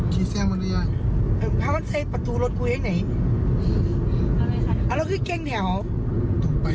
เก่งทั้งถามแบบแซ่งเร่มไป